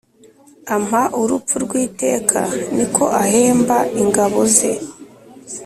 ampa urupfu rw’iteka niko ahemba ingaboze